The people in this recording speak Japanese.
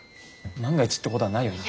万が一ってことはないよな？